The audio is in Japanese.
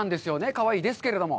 かわいいですけれども。